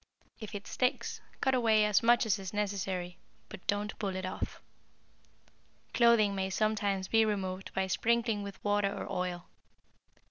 If it sticks, cut away as much as is necessary, but don't pull it off. Clothing may sometimes be removed by sprinkling with water or oil.